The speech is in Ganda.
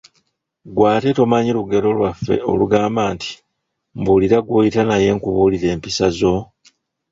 Ggwe ate tomanyi lugero lwaffe olugamba nti , "Mbuulira gw'oyita naye nkubuulire empisa zo" ?